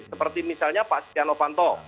seperti misalnya pak sitya lopanto